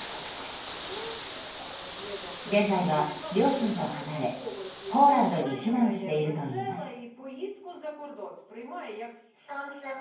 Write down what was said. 現在は両親と離れ、ポーランドに避難しているといいます。